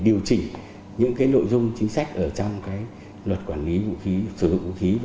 điều này đặt ra đoạn hỏi phải sửa đổi luật quản lý sử dụng vũ khí vật liệu nổ công cụ hỗ trợ